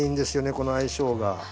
この相性が。